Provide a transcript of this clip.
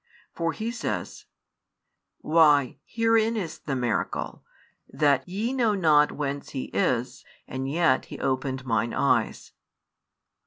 For he says: Why, herein is the miracle, that ye know not whence He is, and yet He opened mine eyes.